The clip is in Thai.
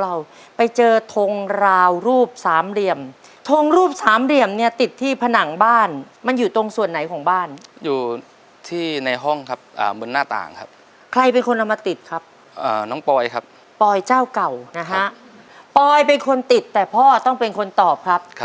แล้วใครชอบตกแต่งบ้านมากที่สุด